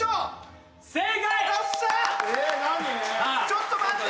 ちょっと待って。